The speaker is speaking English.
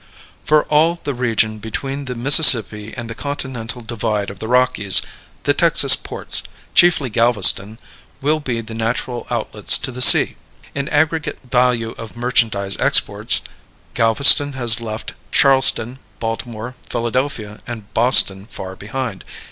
For all the region between the Mississippi and the continental divide of the Rockies, the Texas ports, chiefly Galveston, will be the natural outlets to the sea. In aggregate value of merchandise exports Galveston has left Charleston, Baltimore, Philadelphia, and Boston far behind.